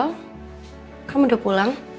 al kamu udah pulang